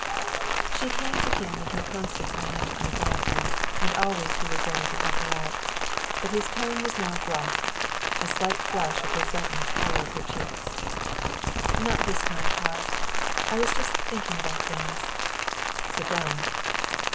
She came to him in her constant financial anxieties, and always he was ready to help her out. But his tone now was gruff. A slight flush of resentment colored her cheeks. "Not this time, Harve. I was just thinking about things." "Sit down."